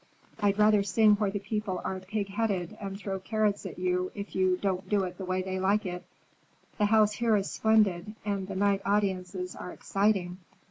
I'd rather sing where the people are pig headed and throw carrots at you if you don't do it the way they like it. The house here is splendid, and the night audiences are exciting.